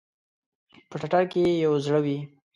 په ټټر کې ئې یو زړه وی